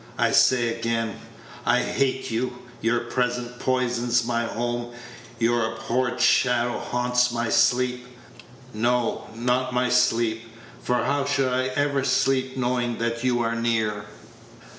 I say again, I hate you; your presence poisons my home, your abhorred shadow haunts my sleep no, not my sleep, for how should I ever sleep knowing that you are near?"